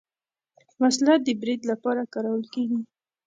وسله د برید لپاره کارول کېږي